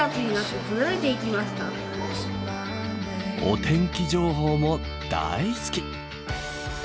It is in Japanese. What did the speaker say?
お天気情報も大好き！